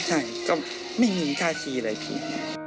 ใช่ก็ไม่มีท่าขี้เลยพี่